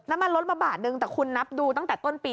มาลดมาบาทนึงแต่คุณนับดูตั้งแต่ต้นปี